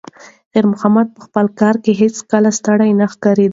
خیر محمد په خپل کار کې هیڅکله ستړی نه ښکارېده.